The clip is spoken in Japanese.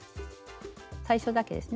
最初だけですね。